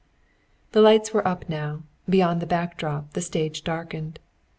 The lights were up now, beyond the back drop, the stage darkened.